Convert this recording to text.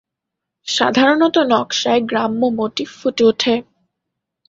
সাধারণত নকশায় গ্রাম্য মোটিফ ফুটে ওঠে।